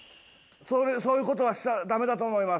そういうことはしちゃダメだと思います